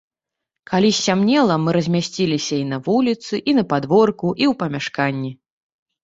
Калі сцямнела, мы размясціліся і на вуліцы, і на падворку, і ў памяшканні.